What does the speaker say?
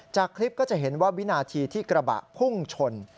จากคลิปก็จะเห็นว่าวินาทีที่กระบะพุ่งชน